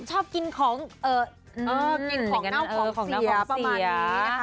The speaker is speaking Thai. ชอบกินของกินของเน่าของเสียประมาณนี้นะคะ